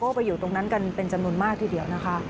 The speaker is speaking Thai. ก็ไปอยู่ตรงนั้นกันเป็นจำนวนมากทีเดียวนะคะ